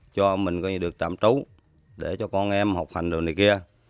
cho mình được tạm trú để cho con em học hành đồ này kia